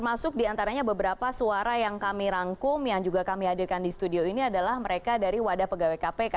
masuk diantaranya beberapa suara yang kami rangkum yang juga kami hadirkan di studio ini adalah mereka dari wadah pegawai kpk